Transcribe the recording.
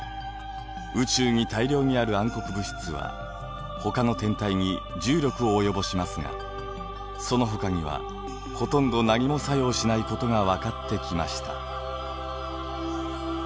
宇宙に大量にある暗黒物質はほかの天体に重力を及ぼしますがそのほかにはほとんど何も作用しないことが分かってきました。